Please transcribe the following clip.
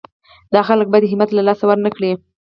دا خلک باید همت له لاسه ورنه کړي.